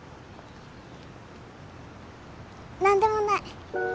何でもない。